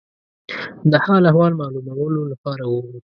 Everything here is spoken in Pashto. د حال احوال معلومولو لپاره ووت.